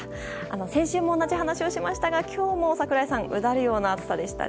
先週も同じ話をしましたが今日も櫻井さんうだるような暑さでしたね。